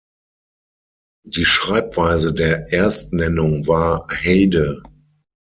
Die Schreibweise der Erstnennung war "Heyde".